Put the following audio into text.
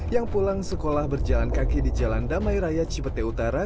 yang pulang sekolah berjalan kaki di jalan damai raya cipete utara